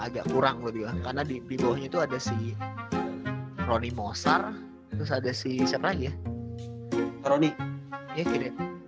agak kurang lebih karena di bawahnya itu ada sih roni mosar terus ada si siapa lagi ya roni